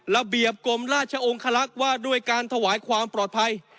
ระเบียบกรมราชองคลักษณ์ว่าด้วยการถวายความปลอดภัย